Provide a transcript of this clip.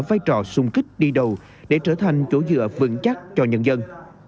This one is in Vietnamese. vai trò xung kích đi đầu để trở thành chỗ dựa vững chắc cho nhân dân